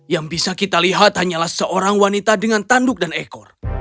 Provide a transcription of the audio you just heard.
yang bisa kita lihat hanyalah seorang wanita dengan tanduk dan ekor